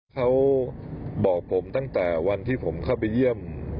เขาบอกผมตั้งแต่วันที่ผมเข้าไปเยี่ยม